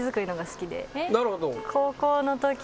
なるほど！